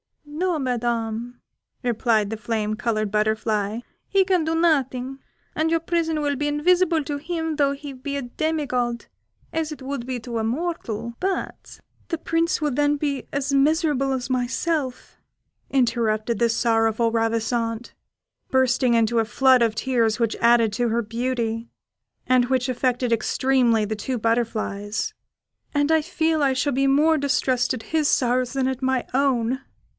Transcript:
"No, Madam," replied the flame coloured butterfly, "he can do nothing, and your prison would be invisible to him though he be a demi god, as it would be to a mortal; but " "The Prince will then be as miserable as myself," interrupted the sorrowful Ravissante, bursting into a flood of tears, which added to her beauty, and which affected extremely the two butterflies; "and I feel I shall be more distressed at his sorrows than at my own!